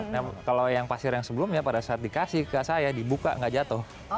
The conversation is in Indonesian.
nah kalau yang pasir yang sebelumnya pada saat dikasih ke saya dibuka nggak jatuh